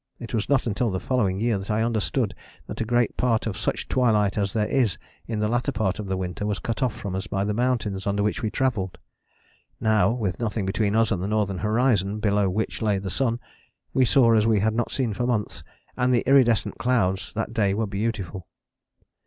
It was not until the following year that I understood that a great part of such twilight as there is in the latter part of the winter was cut off from us by the mountains under which we travelled. Now, with nothing between us and the northern horizon below which lay the sun, we saw as we had not seen for months, and the iridescent clouds that day were beautiful.